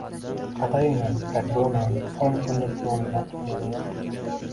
Katerina Petrovna oʻn kundirki oʻrnidan turgani yoʻq.